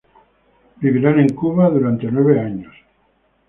Vivirán en Cuba durante nueve años.